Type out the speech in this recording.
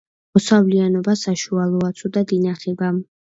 მოსავლიანობა საშუალოა, ცუდად ინახება.